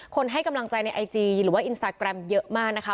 ให้กำลังใจในไอจีหรือว่าอินสตาแกรมเยอะมากนะคะ